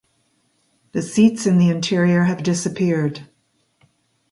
The seats in the interior have disappeared.